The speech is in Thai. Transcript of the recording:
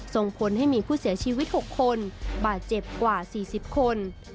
ส่งผลให้มีผู้เสียชีวิต๖คนบาดเจ็บกว่า๔๐คน